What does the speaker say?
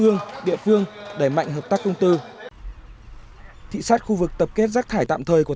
ương địa phương đẩy mạnh hợp tác công tư thị sát khu vực tập kết rác thải tạm thời của